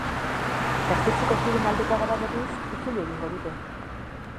Gaztetxeko kideen aldekoa bada, berriz, itzuli egingo dute.